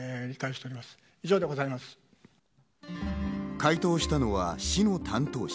回答したのは市の担当者。